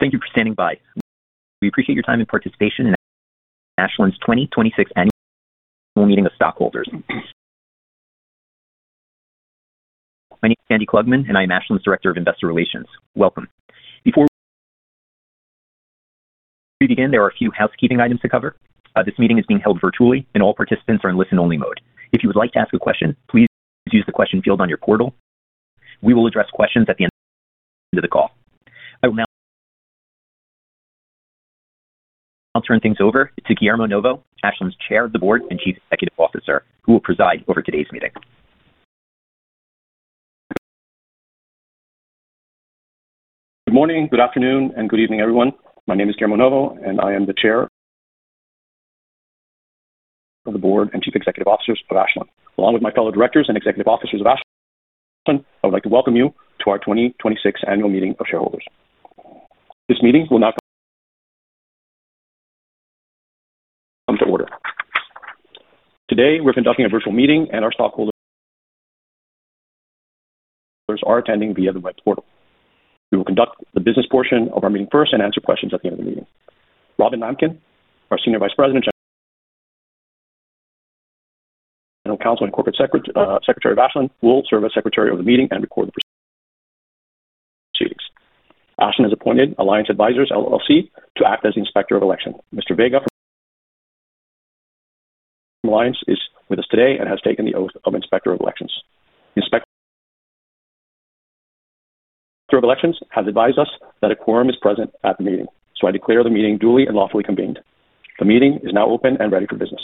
Thank you for standing by. We appreciate your time and participation in Ashland's 2026 annual meeting of stockholders. My name is Andy Klugman, and I am Ashland's Director of Investor Relations. Welcome. Before we begin, there are a few housekeeping items to cover. This meeting is being held virtually, and all participants are in listen-only mode. If you would like to ask a question, please use the question field on your portal. We will address questions at the end of the call. I will now turn things over to Guillermo Novo, Ashland's Chair of the Board and Chief Executive Officer, who will preside over today's meeting. Good morning, good afternoon, and good evening, everyone. My name is Guillermo Novo, and I am the Chair of the Board and Chief Executive Officer of Ashland. Along with my fellow directors and executive officers of Ashland, I would like to welcome you to our 2026 annual meeting of shareholders. This meeting will now come to order. Today, we're conducting a virtual meeting, and our stockholders are attending via the web portal. We will conduct the business portion of our meeting first and answer questions at the end of the meeting. Robin Lampkin, our Senior Vice President, General Counsel and Corporate Secretary of Ashland, will serve as Secretary of the Meeting and record the proceedings. Ashland has appointed Alliance Advisors, LLC, to act as the Inspector of Elections. Mr. Vega from Alliance is with us today and has taken the oath of Inspector of Elections. The Inspector of Elections has advised us that a quorum is present at the meeting, so I declare the meeting duly and lawfully convened. The meeting is now open and ready for business.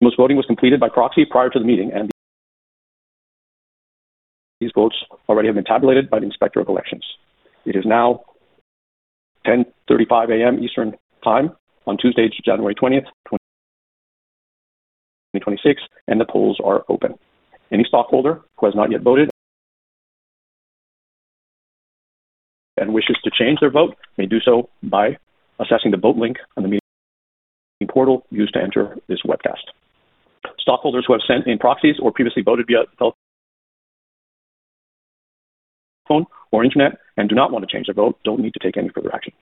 Most voting was completed by proxy prior to the meeting, and these votes already have been tabulated by the Inspector of Elections. It is now 10:35 A.M. Eastern Time on Tuesday, January 20th, 2026, and the polls are open. Any stockholder who has not yet voted and wishes to change their vote may do so by accessing the vote link on the meeting portal used to enter this webcast. Stockholders who have sent in proxies or previously voted via telephone or internet and do not want to change their vote don't need to take any further action.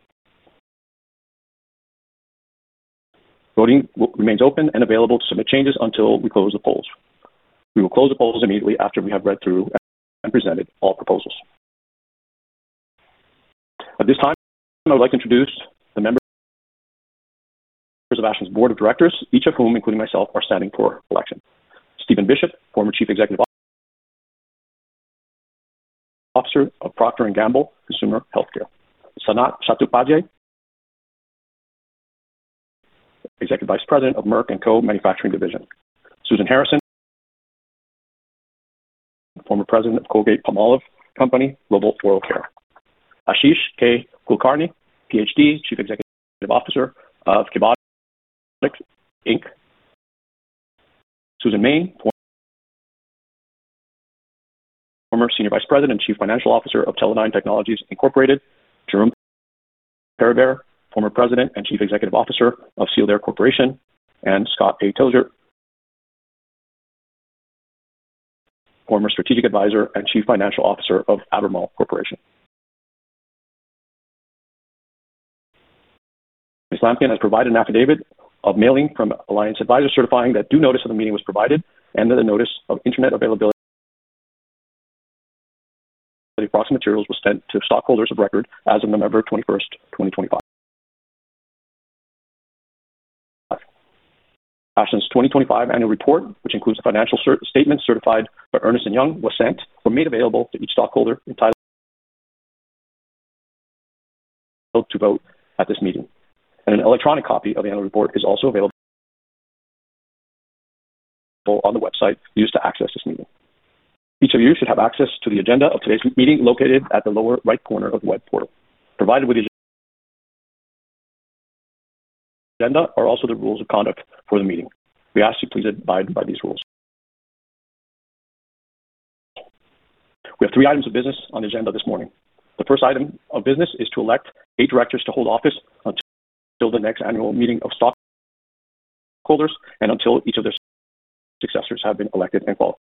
Voting remains open and available to submit changes until we close the polls. We will close the polls immediately after we have read through and presented all proposals. At this time, I would like to introduce the members of Ashland's Board of Directors, each of whom, including myself, are standing for election. Steven Bishop, former Chief Executive Officer of Procter & Gamble Consumer Health Care. Sanat Chattopadhyay, Executive Vice President of Merck & Co. Manufacturing Division. Suzan F. Harrison, former President of Colgate-Palmolive Company Global Oral Care. Ashish K. Kulkarni, Ph.D., Chief Executive Officer of Kebotix Inc. Susan Main, former Senior Vice President and Chief Financial Officer of Teledyne Technologies Incorporated. Jérôme Peribere, former President and Chief Executive Officer of Sealed Air Corporation. And Scott A. Tozier, former Strategic Advisor and Chief Financial Officer of Albemarle Corporation. Ms. Lampkin has provided an affidavit of mailing from Alliance Advisors certifying that due notice of the meeting was provided and that a notice of internet availability for the proxy materials was sent to stockholders of record as of November 21st, 2025. Ashland's 2025 annual report, which includes the financial statements certified by Ernst & Young was sent or made available to each stockholder entitled to vote at this meeting. An electronic copy of the annual report is also available on the website used to access this meeting. Each of you should have access to the agenda of today's meeting located at the lower right corner of the web portal. Provided with the agenda are also the rules of conduct for the meeting. We ask that you please abide by these rules. We have three items of business on the agenda this morning. The first item of business is to elect eight directors to hold office until the next annual meeting of stockholders and until each of their successors have been elected and qualified.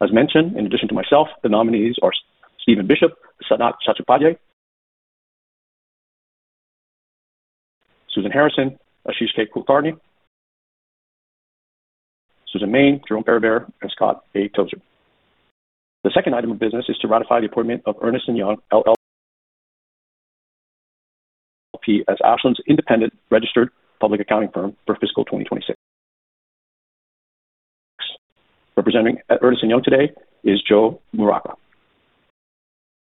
As mentioned, in addition to myself, the nominees are Stephen Bishop, Sanat Chattopadhyay, Suzan F. Harrison, Ashish K. Kulkarni, Susan Main, Jérôme Peribere, and Scott A. Tozier. The second item of business is to ratify the appointment of Ernst & Young LLP as Ashland's independent registered public accounting firm for fiscal 2026. Representing Ernst & Young today is Joe Maracca.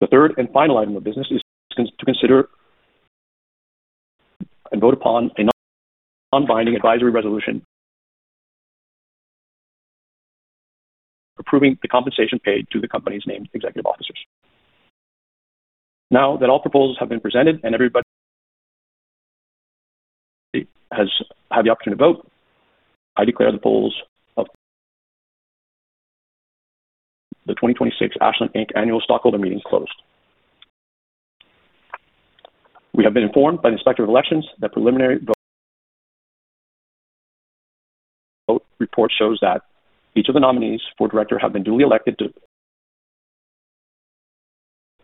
The third and final item of business is to consider and vote upon a non-binding advisory resolution approving the compensation paid to the company's named executive officers. Now that all proposals have been presented and everybody has had the opportunity to vote, I declare the polls of the 2026 Ashland Inc. Annual Stockholder Meeting closed. We have been informed by the Inspector of Elections that preliminary vote report shows that each of the nominees for director have been duly elected to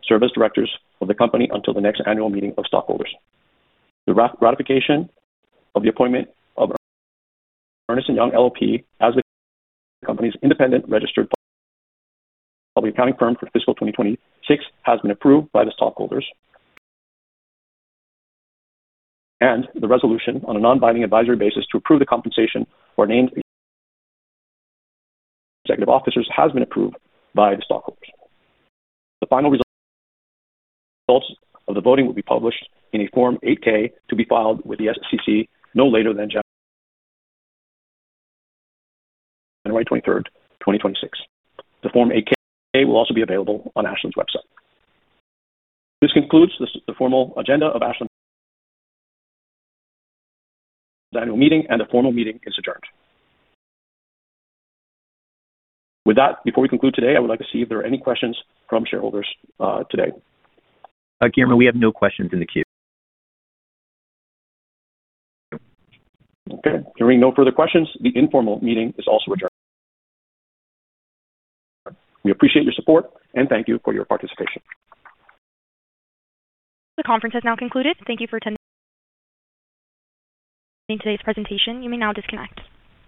serve as directors of the company until the next annual meeting of stockholders. The ratification of the appointment of Ernst & Young LLP as the company's independent registered public accounting firm for fiscal 2026 has been approved by the stockholders, and the resolution on a non-binding advisory basis to approve the compensation for named executive officers has been approved by the stockholders. The final results of the voting will be published in a Form 8-K to be filed with the SEC no later than January 23rd, 2026. The Form 8-K will also be available on Ashland's website. This concludes the formal agenda of Ashland's annual meeting, and the formal meeting is adjourned. With that, before we conclude today, I would like to see if there are any questions from shareholders today. Guillermo, we have no questions in the queue. Okay. With no further questions, the informal meeting is also adjourned. We appreciate your support and thank you for your participation. The conference has now concluded. Thank you for attending today's presentation. You may now disconnect.